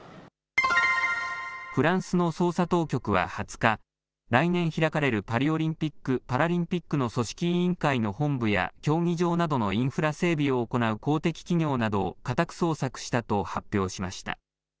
フランスの捜査当局は２０日、来年開かれるパリオリンピック・パラリンピックの組織委員会の本部や競技場などのインフラ整備を行う公的企業などを家宅捜索したと発表しました。